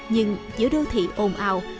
nhưng giữa đô thị ồn ào